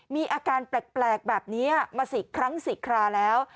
มีอาการแปลกแบบนี้มา๔ครั้ง๔คราแล้ว